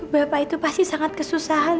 bapak itu pasti sangat kesusahan